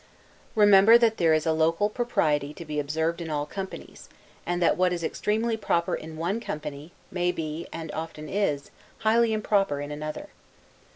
Remember that there is a local propriety to be observed in all companies; and that what is extremely proper in one company, may be, and often is, highly improper in another.